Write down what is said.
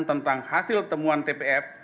tentang hasil temuan tps